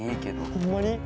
ほんまに？